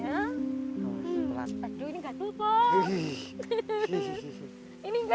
aduh ini gatul pak